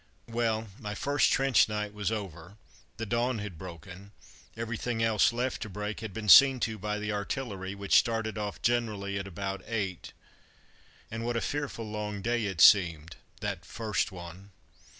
Well, my first trench night was over; the dawn had broken everything else left to break had been seen to by the artillery, which started off generally at about eight. And what a fearful long day it seemed, that first one!